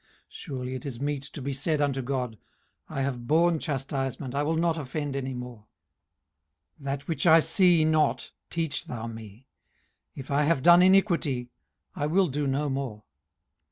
18:034:031 Surely it is meet to be said unto God, I have borne chastisement, I will not offend any more: 18:034:032 That which I see not teach thou me: if I have done iniquity, I will do no more.